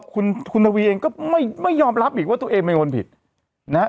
คุณคุณทวีเองก็ไม่ไม่ยอมรับอีกว่าตัวเองเป็นคนผิดนะฮะ